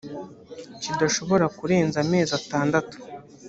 kidashobora kurenza amezi atandatu